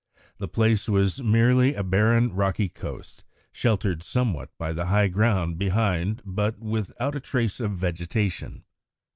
The place was merely a barren, rocky coast, sheltered somewhat by the high ground behind, but without a trace of vegetation.